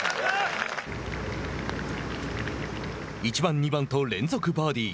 １番、２番と連続バーディー。